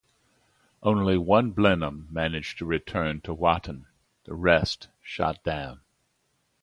Only one Blenheim, managed to return to Watton, the rest shot down.